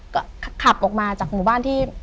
ก็ขับออกมาจากหมู่บ้านที่